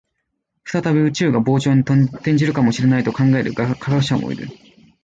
再び宇宙が膨張に転じるかもしれないと考える科学者もいる